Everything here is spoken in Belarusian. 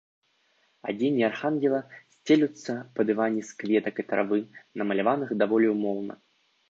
Адзенні архангела сцелюцца па дыване з кветак і травы, намаляваных даволі ўмоўна.